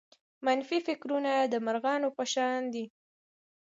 منفي فکرونه د مرغانو په شان دي.